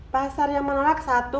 pasar yang menolak satu